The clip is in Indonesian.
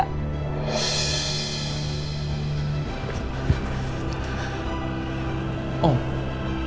minta maaf ke bokap gue